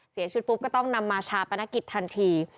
เสร็จปุ๊บก็ต้องนำมาชาปนกิจทันที